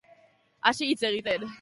Hasi hitz egiten.